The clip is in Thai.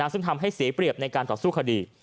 ซึ่งทำให้เสียเปรียบในการต่อสู้คดี